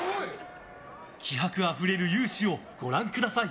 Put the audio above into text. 気迫あふれる雄姿をご覧ください。